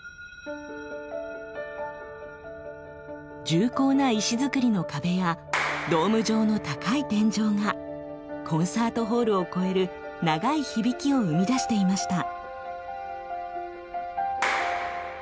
重厚な石造りの壁やドーム状の高い天井がコンサートホールを超える長い響きを生み出していました。